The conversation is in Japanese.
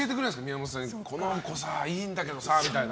宮本さんにこの子いいんだけどさみたいな。